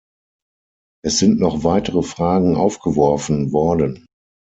Es sind noch weitere Fragen aufgeworfen worden.